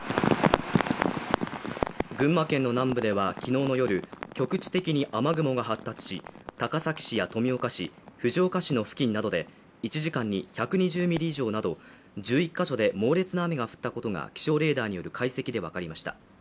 群馬県の南部では、昨日の夜局地的に雨雲が発達し高崎市や富岡市、藤岡市の付近などで１時間に１２０ミリ以上など１１カ所で猛烈な雨が降ったことが気象レーダーによる解析で分かりました。